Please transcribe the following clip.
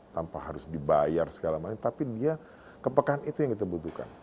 tanpa harus dibayar segala macam tapi dia kepekaan itu yang kita butuhkan